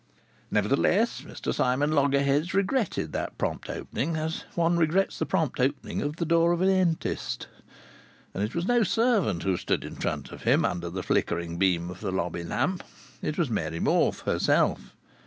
Nevertheless, Mr Simon Loggerheads regretted that prompt opening, as one regrets the prompt opening of the door of a dentist. And it was no servant who stood in front of him, under the flickering beam of the lobby lamp. It was Mary Morfe herself.